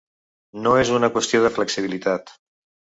No és una qüestió de flexibilitat.